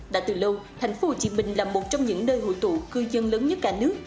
đã từ lâu thành phố hồ chí minh là một trong những nơi hội tụ cư dân lớn nhất cả nước